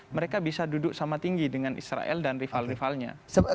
mereka bisa duduk sama tinggi dengan israel dan rival rivalnya